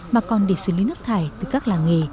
mà còn để xử lý nước thải từ các làng nghề